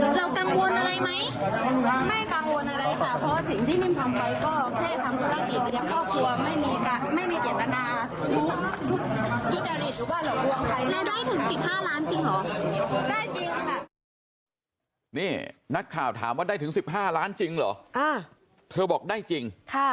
กัดถึง๑๕ล้านจริงหรอได้จริงนี้นักข่าวถามว่าได้ถึง๑๕ล้านจริงเหรอติวบอกได้จริงข้า